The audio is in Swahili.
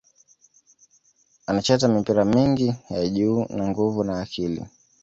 Anacheza mipira mingi ya juu na nguvu na akili